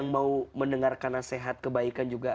mau mendengarkan nasihat kebaikan juga